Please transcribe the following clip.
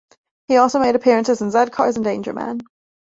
He also made appearances in "Z-Cars" and "Danger Man".